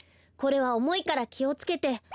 これはおもいからきをつけて。